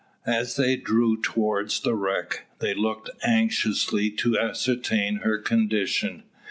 As they drew towards the wreck, they looked anxiously to ascertain her condition.